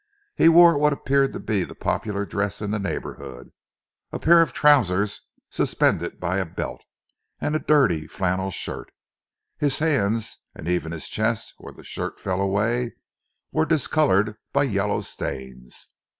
He wore what appeared to be the popular dress in the neighbourhood a pair of trousers suspended by a belt, and a dirty flannel shirt. His hands and even his chest, where the shirt fell away, were discoloured by yellow stains.